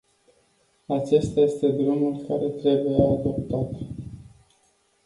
Acesta este drumul care trebuie adoptat.